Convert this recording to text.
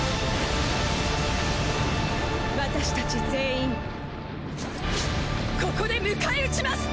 私達全員ここで迎え撃ちます！